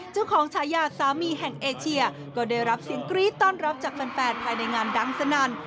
ฉายาสามีแห่งเอเชียก็ได้รับเสียงกรี๊ดต้อนรับจากแฟนภายในงานดังสนั่น